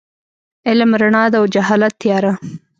علم رڼا ده او جهالت تیاره.